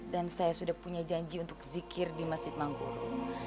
dan saya sudah punya janji untuk zikir di masjid manggulu